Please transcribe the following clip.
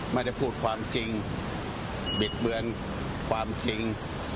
ไม่ได้พูดความจริงบิดเบือนความจริง